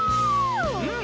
うん。